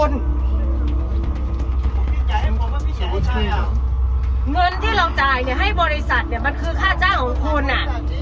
เงินที่เราจ่ายเนี่ยให้บริษัทเนี่ยมันคือค่าจ้างของคุณอ่ะ